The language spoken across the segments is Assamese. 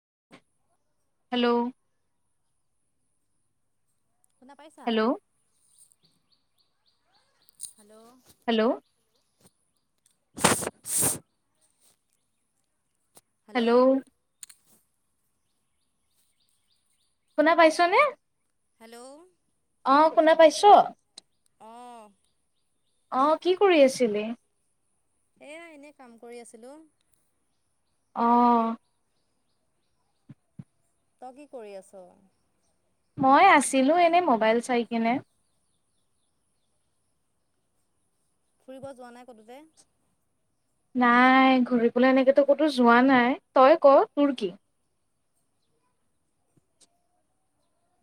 [inaudible] হেল্ল' শুনা পাইছা? হেল্ল' হেল্ল' [inaudible] হেল্ল' শুনা পাইছ নে? হেল্ল' অ, শুনা পাইছ? অঁ অ, কি কৰি আছিলি? এয়া, এনেই কাম কৰি আছিলোঁ। অ' তই কি কৰি আছ? মই আছিলোঁ এনে মোবাইল চাই কিনে। ফুৰিব যোৱা নাই ক'তো যে নাই ঘূৰিবলৈ এনেকেটো ক'তো যোৱা নাই তই ক' তোৰ কি?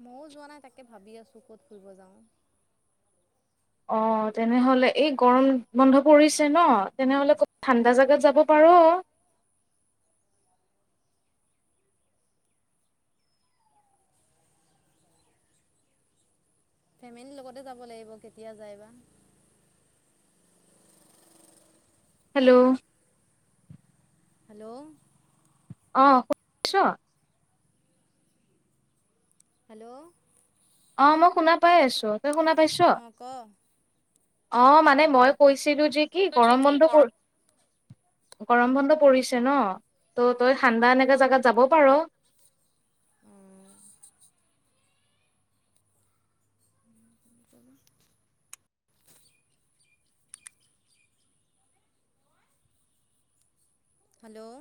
ময়ো যোৱা নাই তাকে ভাবি আছোঁ ক'ত ফুৰিব যাওঁ। অ', তেনেহ'লে এই গৰম বন্ধ পৰিছে ন' তেনেহ'লে ক ঠাণ্ডা জাগাত যাব পাৰ'। ফেমিলিৰ লগতে যাব লাগিব কেতিয়া যায় বা। হেল্ল'। হেল্ল'। অ', শুনি আছ'? হেল্ল'। অ', মই শুনা পাই আছোঁ। অ', ক'। অ', মানে মই কৈছ ছিলো যে কি গৰম বন্ধ ভ গৰম বন্ধ পৰিছে ন', ত' তই ঠাণ্ডা এনেকা জাগাত যাব পাৰ। [inaudible] [inaudible] হেল্ল',